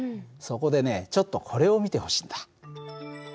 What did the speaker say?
そこでねちょっとこれを見てほしいんだ。